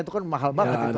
itu kan mahal banget